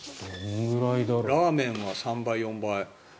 ラーメンは３倍４倍。